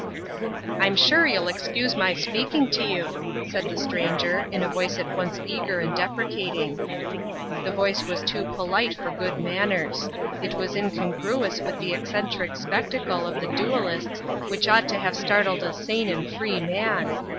"I'm sure you'll excuse my speaking to you," said the stranger, in a voice at once eager and deprecating. The voice was too polite for good manners. It was incongruous with the eccentric spectacle of the duellists which ought to have startled a sane and free man.